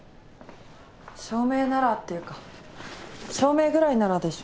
照明ならっていうか照明ぐらいならでしょ。